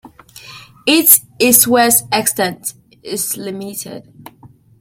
Its east-west extent is limited.